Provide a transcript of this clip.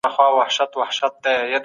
ایا مطالعه پر ټولنیزو اړیکو اغېز لري؟